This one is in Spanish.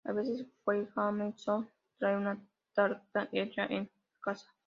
A veces Sue Jameson trae una tarta hecha en casa.